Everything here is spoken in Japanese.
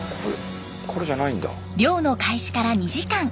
漁の開始から２時間。